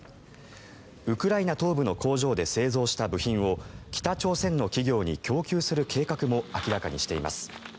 ウクライナ東部の工場で製造した部品を北朝鮮の企業に供給する計画も明らかにしています。